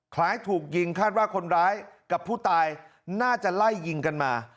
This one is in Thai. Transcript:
คล้ายถูกยิงคาดว่าคนร้ายกับผู้ตายน่าจะไล่ยิงกันมา